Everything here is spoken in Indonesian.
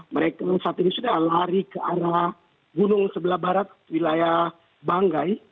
mereka saat ini sudah lari ke arah gunung sebelah barat wilayah banggai